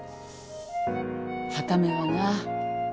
はた目はな。